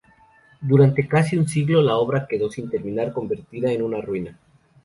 Durante casi un siglo la obra quedó sin terminar, convertida en una ruina.